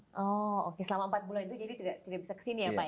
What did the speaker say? oh oke selama empat bulan itu jadi tidak bisa kesini ya pak ya